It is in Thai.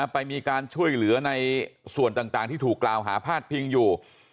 ไปมีการช่วยเหลือในส่วนต่างที่ถูกกล่าวหาพาดพิงอยู่